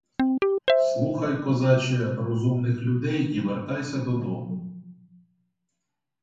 Слухай, козаче, розумних людей і вертайся додому.